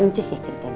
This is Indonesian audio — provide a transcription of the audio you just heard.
ncus ya ceritanya